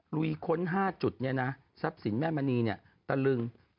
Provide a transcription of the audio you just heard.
ลุยค้น๕จุดเนี่ยนะทรัพย์สินแม่มณีเนี่ยตะลึง